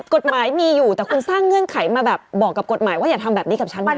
กฎหมายมีอยู่แต่คุณสร้างเงื่อนไขมาแบบบอกกับกฎหมายว่าอย่าทำแบบนี้กับฉันแบบนี้